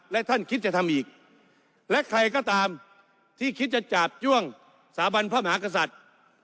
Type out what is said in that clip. และท่านคิดจะทำอีกและใครก็ตามที่คิดจะจาบจ้วงสถาบันพระมหากษัตริย์